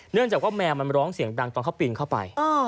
เนื่องจากว่าแมวมันร้องเสียงดังตอนเขาปีนเข้าไป